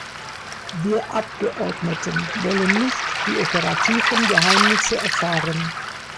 Wir Abgeordneten wollen nicht die operativen Geheimnisse erfahren.